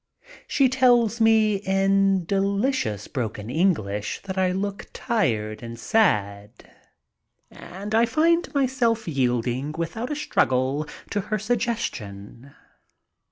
She tells me in delicious broken English that I look tired and sad, and I find myself yielding without a struggle to her suggestion.